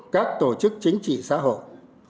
các tổ chức chính trị xã hội